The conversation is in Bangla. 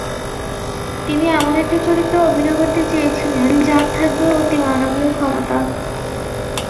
তিনি এমন একটা চরিত্রে অভিনয় করতে চেয়েছিলেন, যার থাকবে অতিমানবীয় ক্ষমতা।